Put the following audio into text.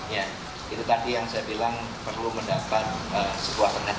ya itu tadi yang saya bilang perlu mendapat sebuah tengah